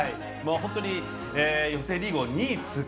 本当に予選リーグを２位通過。